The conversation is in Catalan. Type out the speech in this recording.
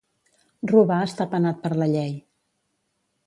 Robar està penat per la llei.